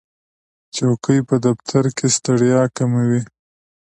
چوکۍ په دفتر کې ستړیا کموي.